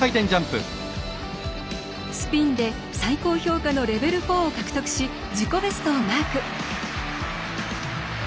スピンで最高評価のレベル４を獲得し自己ベストをマーク。